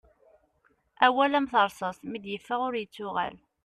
Awal am terṣast mi d-iffeɣ ur ittuɣal.